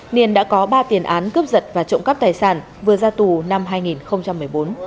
niên đã có ba tiền án cướp giật và trộm cắp tài sản vừa ra tù năm hai nghìn một mươi bốn